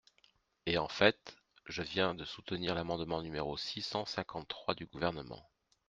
Et en fait, je viens de soutenir l’amendement numéro six cent cinquante-trois du Gouvernement.